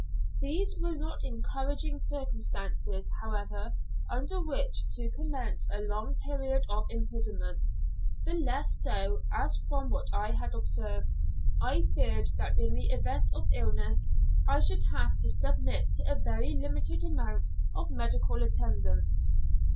These were not encouraging circumstances, however, under which to commence a long period of imprisonment, the less so, as from what I had observed, I feared that in the event of illness I should have to submit to a very limited amount of medical attendance.